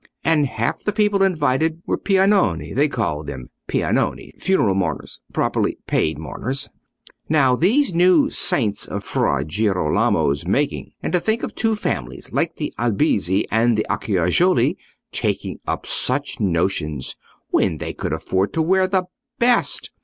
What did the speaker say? And half the people invited were Piagnoni—they call them Piagnoni (funeral mourners: properly, paid mourners) now, these new saints of Fra Girolamo's making. And to think of two families like the Albizzi and the Acciajoli taking up such notions, when they could afford to wear the best!